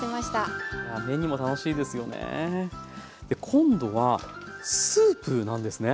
今度はスープなんですね。